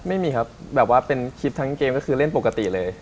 ไม่มีครับแบบว่าเป็นคลิปทั้งเกมก็คือเล่นปกติเลย